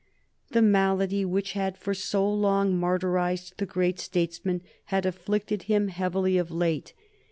The malady which had for so long martyrized the great statesman had afflicted him heavily of late.